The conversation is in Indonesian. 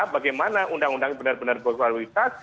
bagaimana undang undang benar benar berkualitas